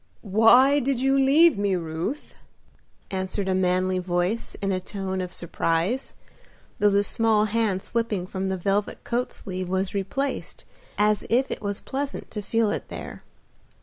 "Why did you leave me, Ruth?" answered a manly voice in a tone of surprise, though the small hand slipping from the velvet coat sleeve was replaced as if it was pleasant to feel it there.